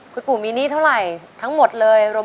คุณปู่มีหนี้เท่าไหร่ทั้งหมดเลย